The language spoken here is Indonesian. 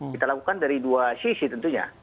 kita lakukan dari dua sisi tentunya